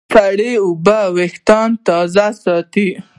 سړې اوبه وېښتيان تازه ساتي.